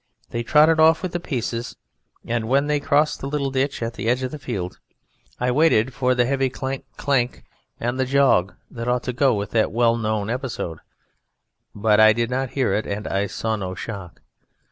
They trotted off with the pieces, and when they crossed the little ditch at the edge of the field I waited for the heavy clank clank and the jog that ought to go with that well known episode; but I did not hear it, and I saw no shock.